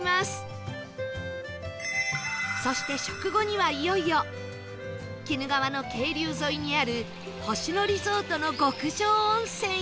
そして食後にはいよいよ鬼怒川の渓流沿いにある星野リゾートの極上温泉へ